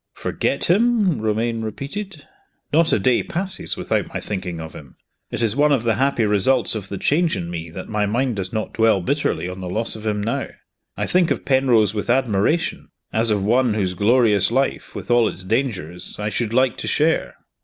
"Forget him?" Romayne repeated. "Not a day passes without my thinking of him. It is one of the happy results of the change in me that my mind does not dwell bitterly on the loss of him now. I think of Penrose with admiration, as of one whose glorious life, with all its dangers, I should like to share!"